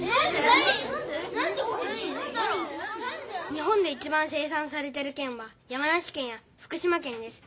日本でいちばん生さんされてるけんは山梨けんや福島けんです。